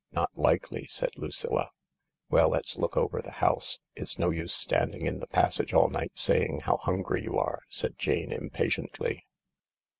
" Not likely," said Lucilla. "Well, let's look over the house. It's no use standing in the passage all night saying how hungry you are," said Jane impatiently.